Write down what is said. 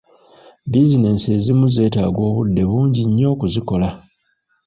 Bizinensi ezimu zeetaaga obudde bungi nnyo okuzikola.